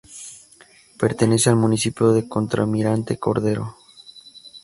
Pertenece al municipio de Contralmirante Cordero.